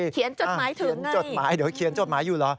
เขียนจดหมายถึงด้วยถ้าเขียนจดหมายอยู่เหรอ